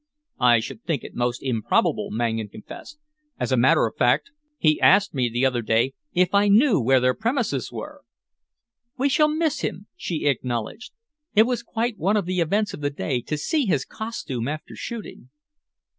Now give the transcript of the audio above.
"I should think it most improbable," Mangan confessed. "As a matter of fact, he asked me the other day if I knew where their premises were." "We shall miss him," she acknowledged. "It was quite one of the events of the day to see his costume after shooting."